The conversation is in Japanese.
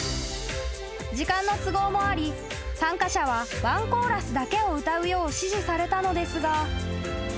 ［時間の都合もあり参加者はワンコーラスだけを歌うよう指示されたのですが］